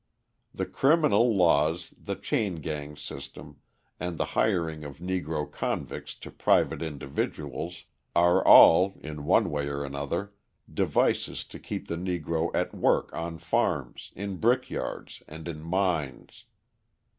The criminal laws, the chain gang system, and the hiring of Negro convicts to private individuals are all, in one way or another, devices to keep the Negro at work on farms, in brick yards and in mines.